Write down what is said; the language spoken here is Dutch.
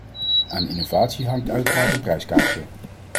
Aan innovatie hangt uiteraard een prijskaartje.